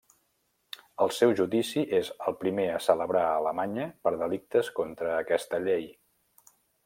El seu judici és el primer a celebrar a Alemanya per delictes contra aquesta llei.